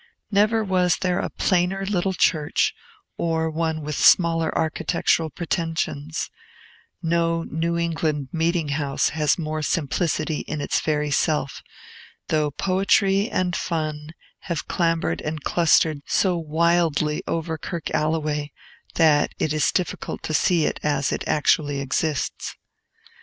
Never was there a plainer little church, or one with smaller architectural pretension; no New England meeting house has more simplicity in its very self, though poetry and fun have clambered and clustered so wildly over Kirk Alloway that it is difficult to see it as it actually exists.